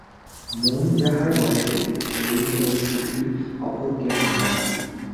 মন যাহার বশে, সে-ই কেবল সুখী, অপর কেহ নয়।